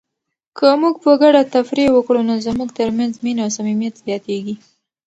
که موږ په ګډه تفریح وکړو نو زموږ ترمنځ مینه او صمیمیت زیاتیږي.